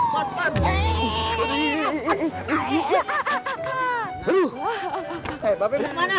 bapak bu kemana